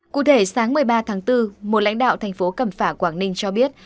cụ thể sáng một mươi ba tháng bốn một lãnh đạo thành phố cẩm phả quảng ninh cho biết